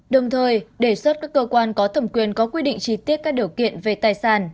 đồng thời đề xuất các cơ quan có thẩm quyền có quy định chi tiết các điều kiện về tài sản